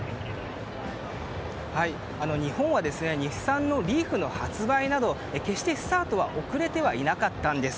日本は日産のリーフの発売など決してスタートは遅れてはいなかったんです。